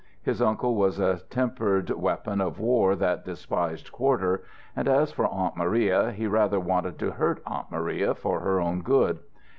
His uncle was a tempered weapon of war that despised quarter; and as for Aunt Maria, he rather wanted to hurt Aunt Maria for her own good.